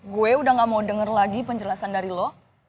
gue udah gak mau denger lagi penjelasan dari lo